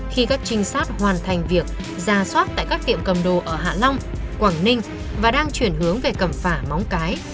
khi các trinh sát hoàn thành việc ra soát tại các tiệm cầm đồ ở hạ long quảng ninh và đang chuyển hướng về cầm phả móng cái